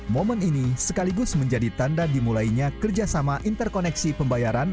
momen ini sekaligus menjadi tanda dimulainya kerjasama interkoneksi pembayaran